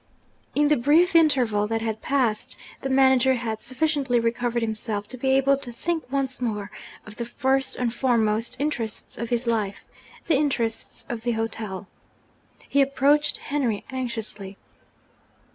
In the brief interval that had passed, the manager had sufficiently recovered himself to be able to think once more of the first and foremost interests of his life the interests of the hotel. He approached Henry anxiously.